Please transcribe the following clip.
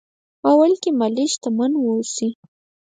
اول کې مالي شتمن واوسي.